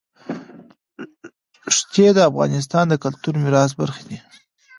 ښتې د افغانستان د کلتوري میراث برخه ده.